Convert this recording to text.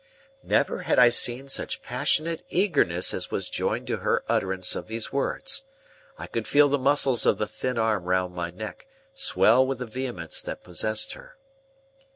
Never had I seen such passionate eagerness as was joined to her utterance of these words. I could feel the muscles of the thin arm round my neck swell with the vehemence that possessed her.